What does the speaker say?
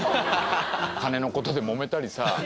金のことでもめたりさ。